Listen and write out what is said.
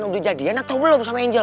untuk jadian atau belum sama angel